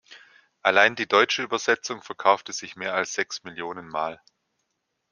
Allein die deutsche Übersetzung verkaufte sich mehr als sechs Millionen Mal.